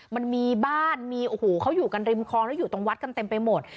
มันมีบ้านมีโอ้โหเขาอยู่กันริมคลองแล้วอยู่ตรงวัดกันเต็มไปหมด